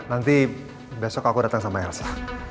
nanti besok aku datang sama elsa